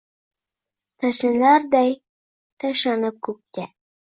tashnalarday tamshanib koʼkka.